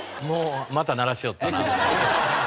「また鳴らしよったな」。